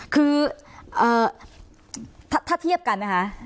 คือถ้าเทียบกันนะคะ